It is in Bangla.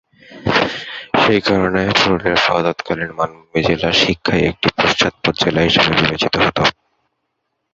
সেই কারণে পুরুলিয়া সহ তৎকালীন মানভূম জেলা শিক্ষায় একটি পশ্চাৎপদ জেলা হিসাবে বিবেচিত হত।